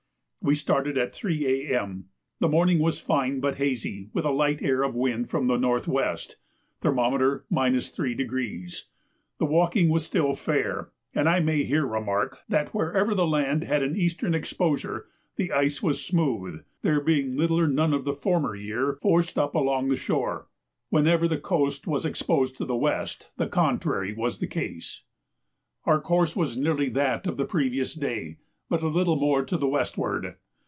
We started at 3 A.M. The morning was fine but hazy, with a light air of wind from N.W. Thermometer 3°. The walking was still fair; and I may here remark, that wherever the land had an eastern exposure the ice was smooth, there being little or none of the former year forced up along the shore; whenever the coast was exposed to the west, the contrary was the case. Our course was nearly that of the previous day, but a little more to the westward.